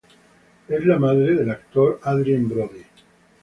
Es la madre del actor Adrien Brody.